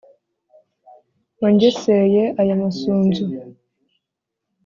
wangeseye aya masunzu